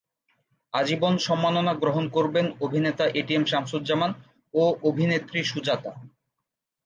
আজীবন সম্মাননা গ্রহণ করবেন অভিনেতা এটিএম শামসুজ্জামান ও অভিনেত্রী সুজাতা।